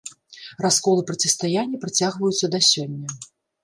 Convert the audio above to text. Раскол і процістаянне працягваюцца да сёння.